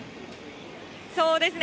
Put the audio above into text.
そうですね。